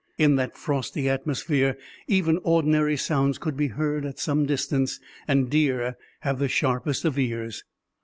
In that frosty atmosphere even ordinary sounds could be heard at some distance, and deer have the sharpest of ears.